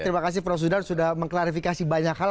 terima kasih prof sudan sudah mengklarifikasi banyak hal